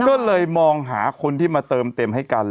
ก็เลยมองหาคนที่มาเติมเต็มให้กัน